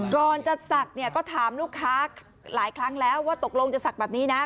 ก่อนจะศักดิ์เนี่ยก็ถามลูกค้าหลายครั้งแล้วว่าตกลงจะศักดิ์แบบนี้นะ